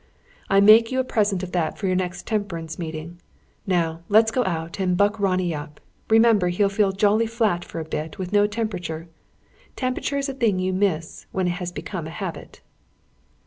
I make you a present of that for your next temperance meeting. Now let's go out and buck Ronnie up. Remember, he'll feel jolly flat for a bit, with no temperature. Temperature is a thing you miss, when it has become a habit."